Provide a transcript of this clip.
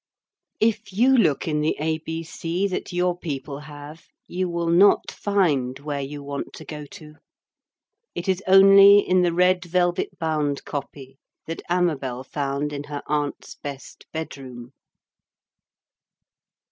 If you look in the A.B.C. that your people have you will not find 'Whereyouwantogoto.' It is only in the red velvet bound copy that Amabel found in her aunt's best bedroom.